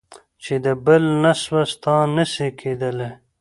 چي د بل نه سوه. ستا نه سي کېدلی.